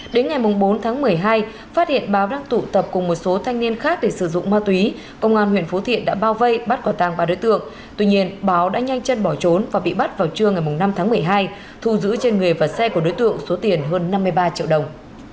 đến ngày bốn tháng một mươi hai phát hiện báo đang tụ tập cùng một số thanh niên khác để sử dụng ma túy công an huyện phú thiện đã bao vây bắt quả tàng ba đối tượng tuy nhiên báo đã nhanh chân bỏ trốn và bị bắt vào trưa ngày năm tháng một mươi hai thu giữ trên người và xe của đối tượng số tiền hơn năm mươi ba triệu đồng